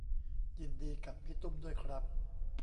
ยินดีกับพี่ตุ้มด้วยครับ